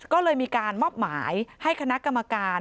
ก็เลยมีการมอบหมายให้คณะกรรมการ